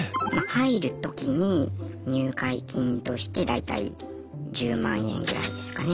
入るときに入会金として大体１０万円ぐらいですかね。